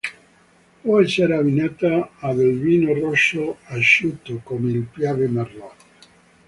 Può essere abbinata a del vino rosso asciutto, come il Piave merlot.